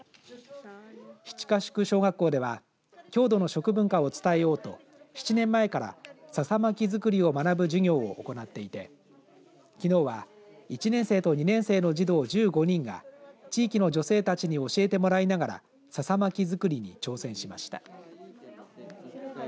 七ヶ宿小学校では郷土の食文化を伝えようと７年前からささ巻き作りを学ぶ授業を行っていてきのうは１年生と２年生の児童１５人が地域の女性たちに教えてもらいながらささ巻き作りに挑戦しました。